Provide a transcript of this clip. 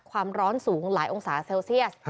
ความร้อนสูงหลายองศาเซลเซียส